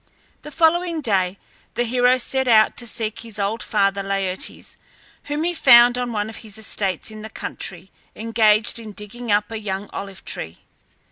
The following day the hero set out to seek his old father Laertes, whom he found on one of his estates in the country engaged in digging up a young olive tree.